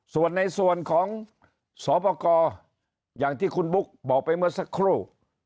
ส่วนในส่วนของสอบประกอบอย่างที่คุณบุ๊คบอกไปเมื่อสักครู่